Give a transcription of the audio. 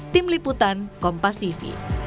tim liputan kompas tv